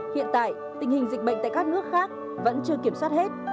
hiện tại tình hình dịch bệnh tại các nước khác vẫn chưa kiểm soát hết